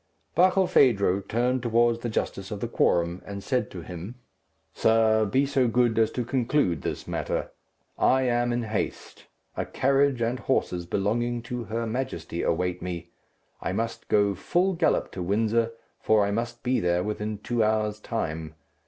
Barkilphedro turned towards the justice of the quorum, and said to him, "Sir, be so good as to conclude this matter. I am in haste. A carriage and horses belonging to her Majesty await me. I must go full gallop to Windsor, for I must be there within two hours' time.